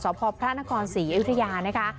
สพนศวิทยานะคะ